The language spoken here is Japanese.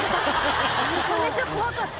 めちゃめちゃ怖かった。